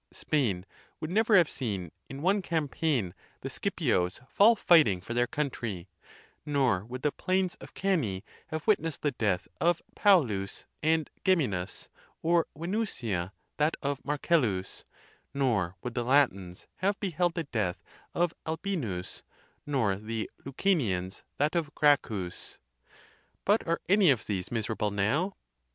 Spain would never have seen, in one campaign, the Scip ios fall fighting for their country; nor would the plains of Cannz have witnessed the death of Paulus and Gemi nus, or Venusia that of Marcellus; nor would the Latins have beheld the death of Albinus, nor the Leucanians that of Gracchus. But are any of these miserable now?